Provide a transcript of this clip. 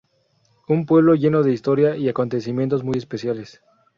Un pueblo lleno de historia y acontecimientos muy especiales.